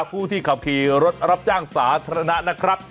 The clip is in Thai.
ผู้ที่ขับขี่รถรับจ้างสาธารณะนะครับ